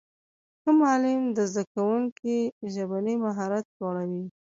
ښه معلم د زدهکوونکو ژبنی مهارت لوړوي.